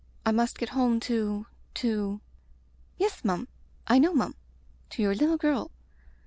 I must get home to — ^to "Yes, mum; I know, mum, to your little girl.